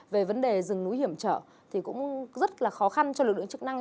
về vấn đề rừng núi hiểm trở thì cũng rất là khó khăn cho lực lượng chức năng